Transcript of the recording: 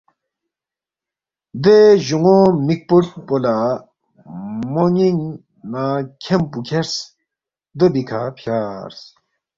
دے جون٘و مِک پُوٹ پو لہ مو نِ٘ینگ نہ کھیم پو کھیرس، دو بیکھہ فیارس